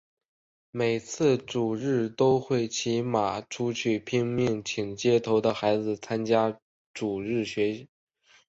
每次主日都会骑马出去拼命请街头的孩子参加主日学。